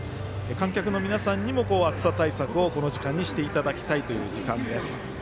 観客の皆さんにも暑さ対策をこの時間にしていただきたいという時間です。